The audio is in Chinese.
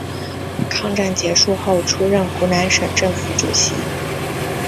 抗战结束后出任湖南省政府主席。